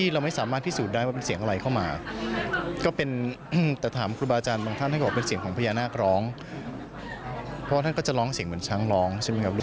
เราไปฟังพี่อ้ำก่อนดีกว่านะครับ